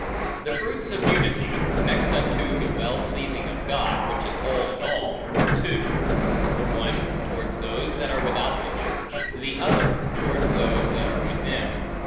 The fruits of unity (next unto the well pleasing of God, which is all in all) are two: the one, towards those that are without the church, the other, towards those that are within.